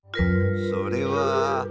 それは。